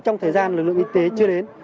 trong thời gian lực lượng y tế chưa đến